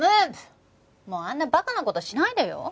もうあんなバカな事しないでよ。